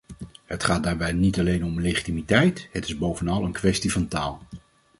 Het gaat daarbij niet alleen om legitimiteit; het is bovenal een kwestie van taal.